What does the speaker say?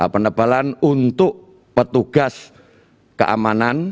penebalan untuk petugas keamanan